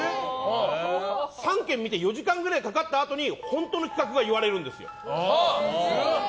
３軒見て４時間くらいかかったあとに本当の企画が言われるんですよ。